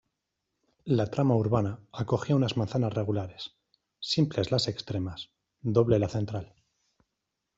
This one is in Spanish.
La trama urbana acogía unas manzanas regulares, simples las extremas, doble la central.